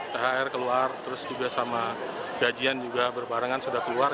thr keluar terus juga sama gajian juga berbarengan sudah keluar